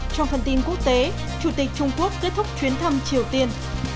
trong phần tin quốc tế chủ tịch trung quốc kết thúc chuyến thăm triều tiên